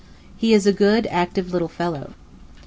He is a good, active little fellow.